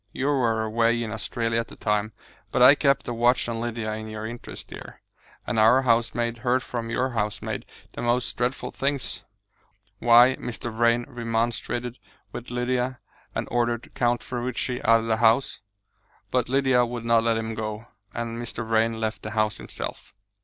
You were away in Australia at the time, but I kept a watch on Lydia in your interest, dear, and our housemaid heard from your housemaid the most dreadful things. Why, Mr. Vrain remonstrated with Lydia, and ordered Count Ferruci out of the house, but Lydia would not let him go; and Mr. Vrain left the house himself."